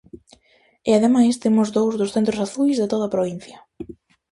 E ademais temos dous dos centros azuis de toda a provincia.